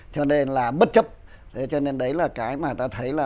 cho nên là bất chấp